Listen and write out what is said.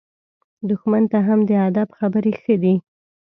دښمن ته هم د ادب خبرې ښه دي.